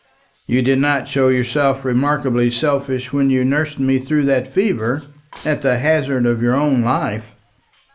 "You did not show yourself remarkably selfish when you nursed me through that fever, at the hazard of your own life."